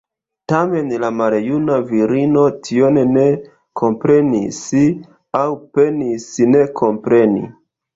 Tamen la maljuna virino tion ne komprenis, aŭ penis ne kompreni.